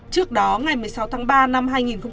trước đó ngày một mươi sáu tháng ba năm hai nghìn hai mươi